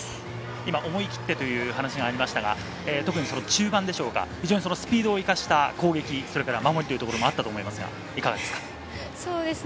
今、思い切ってという話がありましたが、特にその中盤でしょうか、非常にそのスピードを生かした攻撃、それから守りというところもあったと思いますが、いかがですか。